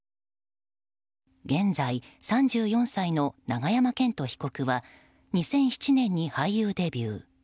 現在３４歳の永山絢斗被告は２００７年に俳優デビュー。